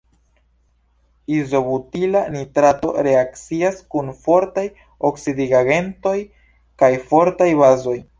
Izobutila nitrato reakcias kun fortaj oksidigagentoj kaj fortaj bazoj.